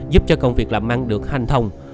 giúp cho công việc làm măng được hành thông